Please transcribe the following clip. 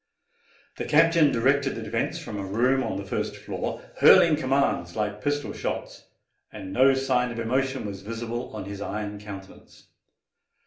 The captain directed the defence from a room on the first floor, hurling commands like pistol shots, and no sign of emotion was visible on his iron countenance.